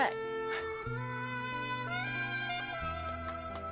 はい。